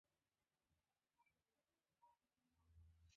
Fort Blount was an important stop for travelers on Avery's Trace.